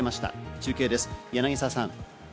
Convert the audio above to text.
中継です、柳沢さん。